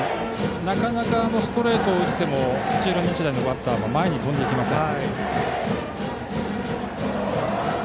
ストレートを打っても土浦日大のバッター、なかなか前に飛んでいきません。